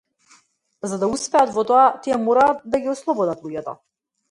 За да успеат во тоа тие мораат да ги ослободат луѓето.